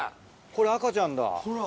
これ赤ちゃんだほら。